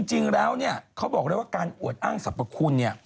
จริงแล้วเนี่ยเขาบอกเลยว่าการอวดอ้างสรรพคุณเนี่ย